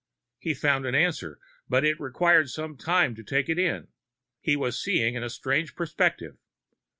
He found an answer, but it required some time to take it in. He was seeing in a strange perspective.